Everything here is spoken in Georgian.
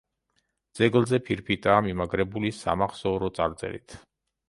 ძეგლზე ფირფიტაა მიმაგრებული სამახსოვრო წარწერით.